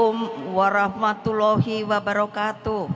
assalamualaikum warahmatullahi wabarakatuh